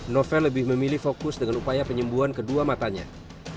novel lebih memilih fokus dengan upaya penyembuhan kedua matanya